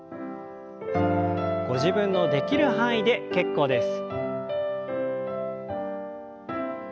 ご自分のできる範囲で結構です。